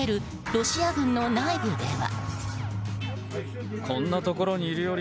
ロシア軍の内部では。